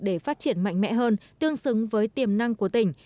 để phát triển mạnh mẽ hơn tương xứng với tiềm năng của tỉnh